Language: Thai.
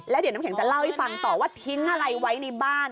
แล้วเดี๋ยวน้ำแข็งจะเล่าให้ฟังต่อว่าทิ้งอะไรไว้ในบ้าน